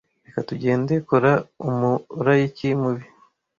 reka tugende kora umulayiki mubi